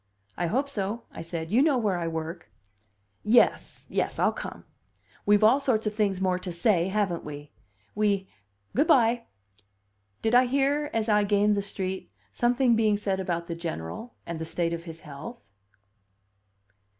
"I hope so," I said. "You know where I work." "Yes yes. I'll come. We've all sorts of things more to say, haven't we? We good by!" Did I hear, as I gained the street, something being said about the General, and the state of his health?